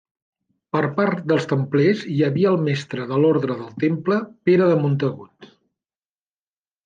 Per part dels templers, hi havia el mestre de l'orde del Temple Pere de Montagut.